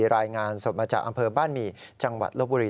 รายงานสดมาจากอำเภอบ้านหมี่จังหวัดลบบุรี